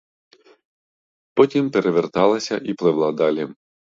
Потім переверталася і пливла далі.